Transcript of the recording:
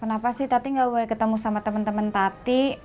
kenapa sih tati gak boleh ketemu sama temen temen tati